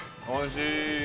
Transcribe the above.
おいしい！